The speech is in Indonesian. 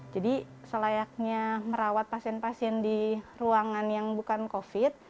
jadi selayaknya merawat pasien pasien di ruangan yang bukan covid sembilan belas seperti biasa